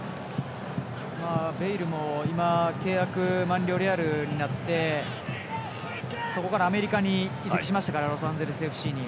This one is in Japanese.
ベイルもレアルで契約満了になってそこからアメリカに移籍しましたからロサンゼルスＦＣに。